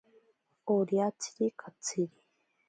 Oriatsiri katsiri.